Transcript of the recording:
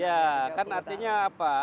ya kan artinya apa